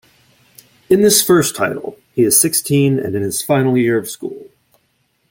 In this first title he is sixteen and in his final year of school.